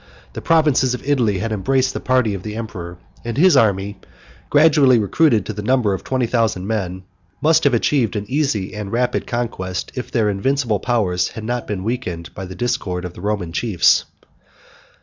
The provinces of Italy had embraced the party of the emperor and his army, gradually recruited to the number of twenty thousand men, must have achieved an easy and rapid conquest, if their invincible powers had not been weakened by the discord of the Roman chiefs.